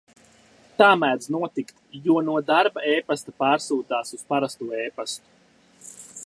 Tā mēdz notikt, jo no darba epasta pārsūtās uz parasto epastu.